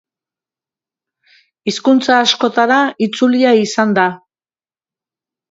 Hizkuntza askotara itzulia izan da.